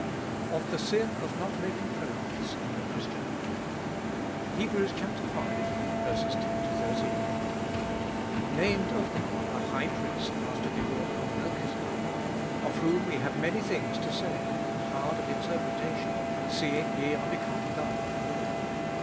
XLII. OF THE SIN OP NOT MAKING PROGRESS IN THE CHRISTIAN LIFE. V.— 10. Named of God a High Priest after the order of Melchizedek. 11. Of whom we have many things to say, and hard of interpretation, seeing ye are become dull of hearing.